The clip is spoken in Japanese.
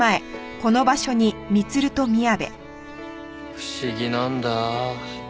不思議なんだ。